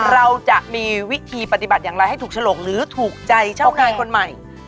เราจะมีวิธีปฏิบัติอย่างไรให้ถูกฉลกหรือถูกใจชาวไทยคนใหม่